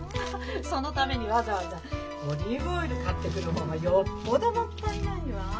そのためにわざわざオリーブオイル買ってくる方がよっぽどもったいないわ。